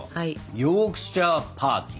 ヨークシャー・パーキン。